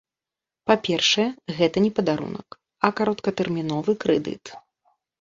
Па-першае, гэта не падарунак, а кароткатэрміновы крэдыт.